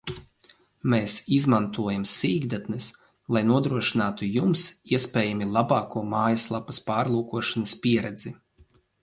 Mēs izmantojam sīkdatnes, lai nodrošinātu Jums iespējami labāko mājaslapas pārlūkošanas pieredzi